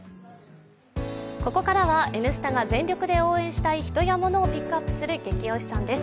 ここからは「Ｎスタ」が全力で応援したい人やモノをピックアップするゲキ推しさんです。